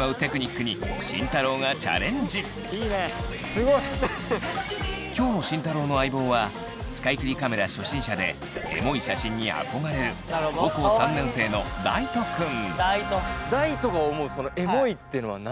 すごい！今日の慎太郎の相棒は使い切りカメラ初心者でエモい写真に憧れる高校３年生の大翔くん。